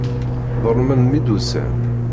Ḍelmen mi d-ussan.